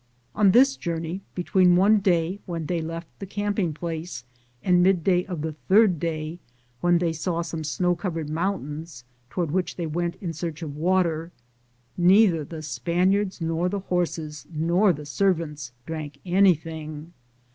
On this journey, between one day when they left the camping place and mid day of the third day, when they saw some snow covered mountains, toward which they went in search of water, neither the Span iards nor the horses nor the servants drank anything.